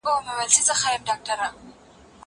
هغه وويل چي انځور روښانه دی!؟